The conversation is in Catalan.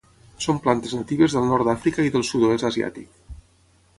Són plantes natives del nord d'Àfrica i dels sud-oest asiàtic.